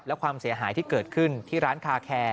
และความเสียหายที่เกิดขึ้นที่ร้านคาแคร์